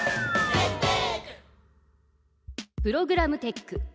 プログラムテック。